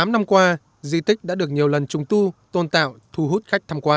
tám năm qua di tích đã được nhiều lần trùng tu tôn tạo thu hút khách tham quan